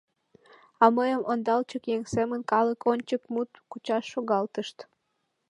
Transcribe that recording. А мыйым ондалчык еҥ семын, калык ончык мут кучаш шогалтышт.